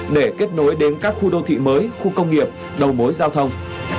để kết nối đến các khu đô thị mới khu công nghiệp đầu mối giao thông